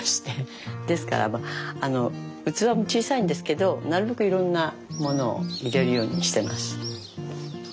ですから器も小さいんですけどなるべくいろんなものを入れるようにしてます。